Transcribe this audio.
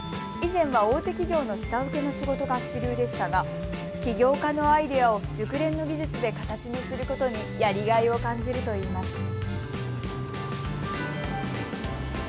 以前は大手企業の下請けの仕事が主流でしたが起業家のアイデアを熟練の技術で形にすることにやりがいを感じるといいます。